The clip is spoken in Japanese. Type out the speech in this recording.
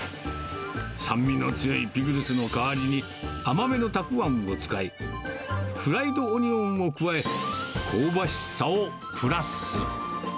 酸味の強いピクルスの代わりに甘めのタクアンを使い、フライドオニオンを加え、香ばしさをプラス。